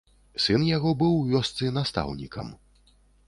Сын яго быў у вёсцы настаўнікам.